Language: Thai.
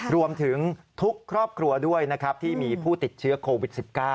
รวมถึงทุกครอบครัวด้วยนะครับที่มีผู้ติดเชื้อโควิด๑๙